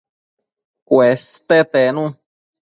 Cueste tenu